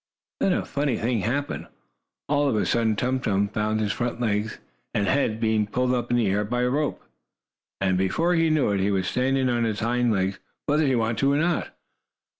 Then a funny thing happened. All of a sudden Tum Tum found his front legs and head being pulled up in the air by the rope, and, before he knew it, he was standing on his hind legs whether he wanted to or not.